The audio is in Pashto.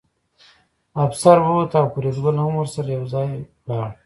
افسر ووت او فریدګل هم ورسره یوځای لاړ